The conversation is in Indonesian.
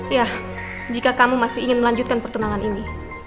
ya jika kamu masih ingin melanjutkan pertunangan ini